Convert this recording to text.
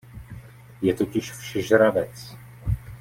Je totiž všežravec.